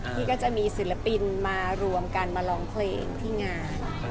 ที่ก็จะมีศิลปินมารวมกันมาร้องเพลงที่งาน